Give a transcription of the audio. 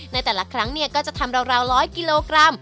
ในแต่ละครั้งก็จะทำราว๑๐๐กิโลกรัม